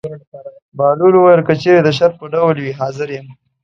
بهلول وویل: که چېرې د شرط په ډول وي حاضر یم.